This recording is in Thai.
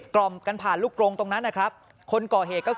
กอล์เทอม